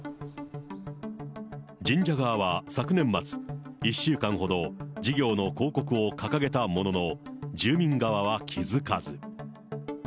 神社側は昨年末、１週間ほど事業の公告を掲げたものの、住民側は気付かず。